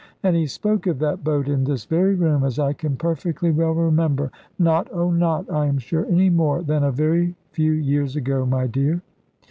And he spoke of that boat in this very room, as I can perfectly well remember, not oh not I am sure any more than a very few years ago, my dear."